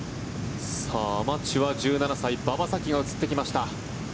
アマチュア、１７歳馬場咲希が映ってきました。